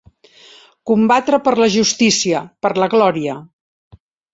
Combatre per la justícia, per la glòria.